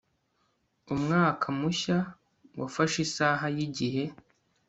umwaka mushya wafashe isaha yigihe